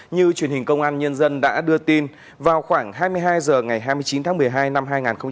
như truyền hình công an nhân dân đã đưa tin vào khoảng hai mươi hai h ngày hai mươi chín tháng một mươi hai năm hai nghìn hai mươi ba